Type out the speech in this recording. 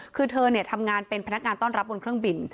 คือเธอทำงานเป็นพนักงานต้อนรับบนเครื่องบิน